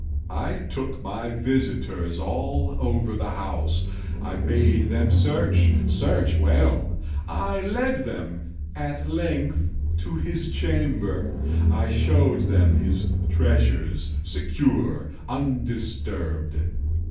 I took my visitors all over the house. I bade them search—search well. I led them, at length, to his chamber. I showed them his treasures, secure, undisturbed.